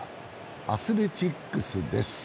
アスレチックスです。